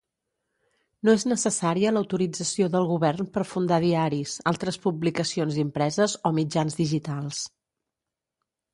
No és necessària l'autorització del govern per fundar diaris, altres publicacions impreses o mitjans digitals.